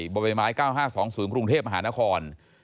บ๙๕๒๐กรุงเทพฯมหานคร